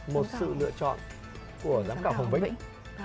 một sự lựa chọn của giám khảo hồng vĩnh